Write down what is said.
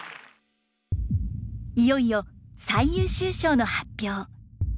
いよいよ最優秀賞の発表。